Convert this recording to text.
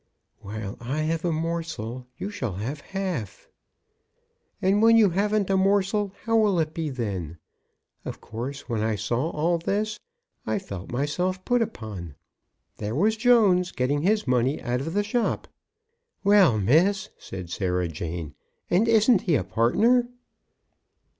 "While I have a morsel, you shall have half." "And when you haven't a morsel, how will it be then? Of course when I saw all this, I felt myself put upon. There was Jones getting his money out of the shop!" "Well, miss," said Sarah Jane; "and isn't he a partner?"